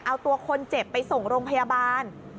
เอาตัวคนเจ็บไปส่งโรงพยาบาล